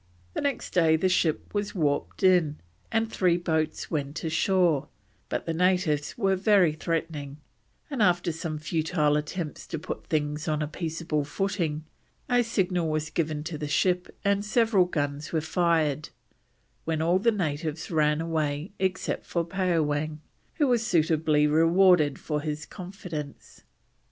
The next day the ship was warped in, and three boats went ashore, but the natives were very threatening, and after some futile attempts to put things on a peaceable footing a signal was given to the ship and several guns were fired, when all the natives ran away except Paowang, who was suitably rewarded for his confidence.